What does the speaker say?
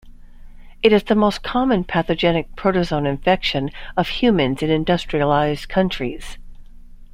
It is the most common pathogenic protozoan infection of humans in industrialized countries.